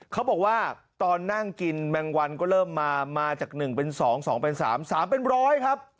เขาบอกว่าตอนนั่งกินแมงวันก็เริ่มมามาจาก๑เป็น๒๒เป็น๓๓เป็นร้อยครับ